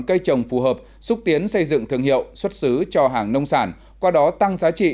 cây trồng phù hợp xúc tiến xây dựng thương hiệu xuất xứ cho hàng nông sản qua đó tăng giá trị